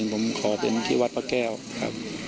ผมขอเป็นที่วัดพระแก้วครับ